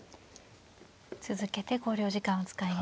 続けて考慮時間を使います。